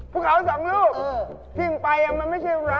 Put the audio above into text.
บุคเขาสองลูกเฮ่ย